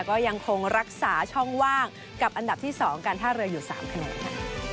ก็ยังคงรักษาช่องว่างกับอันดับที่๒การท่าเรืออยู่๓คะแนนค่ะ